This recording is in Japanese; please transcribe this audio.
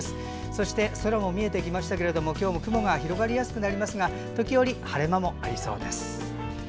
そして、空も見えてきましたが今日も雲が広がりやすくなりますが時折、晴れ間も見えそうです。